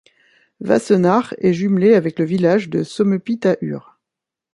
Wassenach est jumelée avec le village de Sommepy-Tahure.